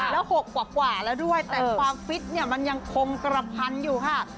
แล้ว๖กว่าแล้วด้วยแต่ความฟิตเนี่ยมันยังคงกระพันอยู่ค่ะ